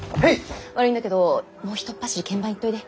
悪いんだけどもうひとっ走り見番行っといで。